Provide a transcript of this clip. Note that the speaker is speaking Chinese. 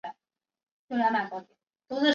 万历三十八年庚戌科第三甲第九十名进士。